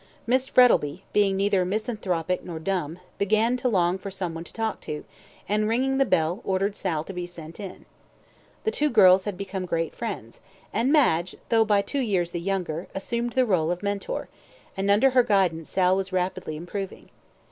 Miss Frettlby, being neither misanthropic nor dumb, began to long for some one to talk to, and, ringing the bell, ordered Sal to be sent in. The two girls had become great friends, and Madge, though by two years the younger, assumed the ROLE of mentor, and under her guidance Sal was rapidly improving.